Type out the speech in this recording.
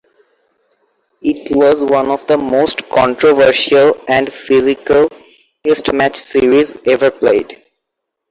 It was one of the most controversial and physical Test match series ever played.